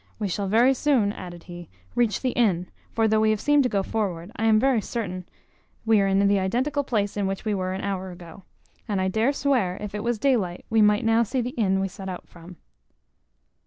We shall very soon," added he, "reach the inn; for though we have seemed to go forward, I am very certain we are in the identical place in which we were an hour ago; and I dare swear, if it was daylight, we might now see the inn we set out from."